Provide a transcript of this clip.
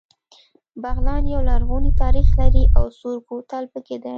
بغلان يو لرغونی تاریخ لري او سور کوتل پکې دی